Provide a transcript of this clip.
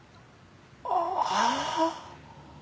ああ。